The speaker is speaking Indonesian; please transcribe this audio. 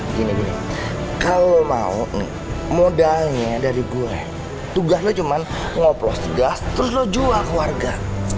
gini gini kalau lo mau modalnya dari gue tugas lo cuma ngoplo gas terus lo jual ke warga